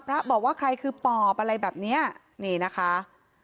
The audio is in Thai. พระบอกว่าใครคือปอบอะไรแบบเนี้ยนี่นะคะ